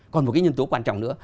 còn một cái nhân tố quan trọng nữa